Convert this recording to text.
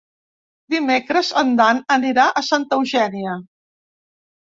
Dimecres en Dan anirà a Santa Eugènia.